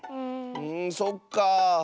んそっかあ。